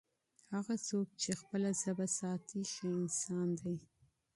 هغه څوک چي خپله ژبه ساتي، ښه انسان دی.